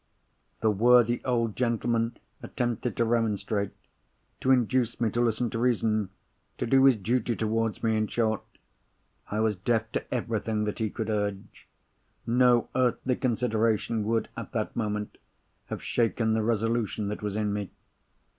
The worthy old gentleman attempted to remonstrate—to induce me to listen to reason—to do his duty towards me, in short. I was deaf to everything that he could urge. No earthly consideration would, at that moment, have shaken the resolution that was in me.